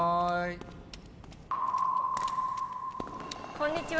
こんにちは！